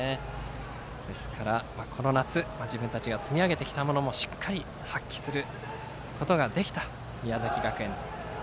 ですから、この夏自分たちが積み上げてきたものもしっかり発揮することができた宮崎学園。